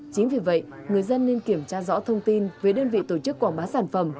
chính vì vậy người dân nên kiểm tra rõ thông tin về đơn vị tổ chức quảng bá sản phẩm